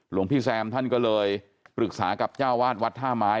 หลวงพี่แซมท่านก็เลยปรึกษากับเจ้าวาดวัดท่าไม้